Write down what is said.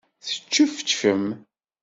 Teččefčfem?